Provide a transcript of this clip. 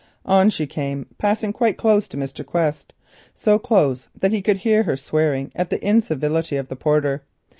On she came, passing quite close to Mr. Quest, so close that he could hear her swearing at the incivility of the porter.